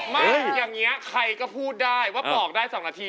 ไม่อย่างนี้ใครก็พูดได้ว่าปอกได้๒นาที